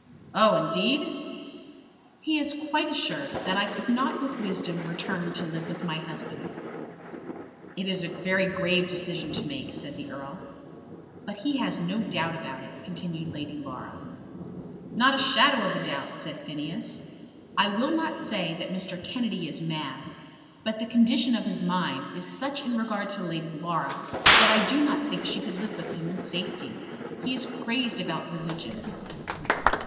"Oh, indeed!" "He is quite assured that I could not with wisdom return to live with my husband." "It is a very grave decision to make," said the Earl. "But he has no doubt about it," continued Lady Laura. "Not a shadow of doubt," said Phineas. "I will not say that Mr. Kennedy is mad; but the condition of his mind is such in regard to Lady Laura that I do not think she could live with him in safety. He is crazed about religion."